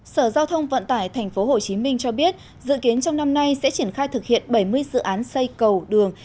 sở giao thông vận tải tp hcm cho biết dự kiến trong năm nay sẽ triển khai thực hiện bảy mươi dự án xây cầu đường